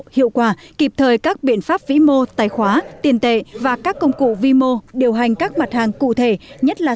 hiệu quả kịp thời các biện pháp vi mô tài khóa tiền tệ và các công cụ vi mô điều hành các mặt hàng cụ thể